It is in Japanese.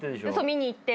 見に行って。